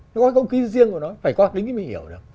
nó có cái không khí riêng của nó phải có lýnh mình hiểu được